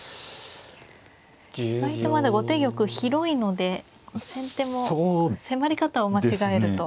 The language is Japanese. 意外とまだ後手玉広いので先手も迫り方を間違えると。